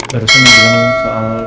barusan berbicara soal